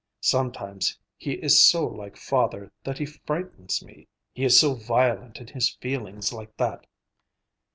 Sometimes he is so like father that he frightens me; he is so violent in his feelings like that."